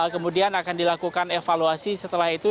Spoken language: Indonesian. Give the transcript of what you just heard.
kemudian akan dilakukan evaluasi setelah itu